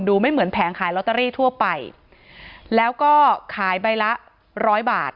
ไม่เหมือนแผงขายลอตเตอรี่ทั่วไปแล้วก็ขายใบละร้อยบาท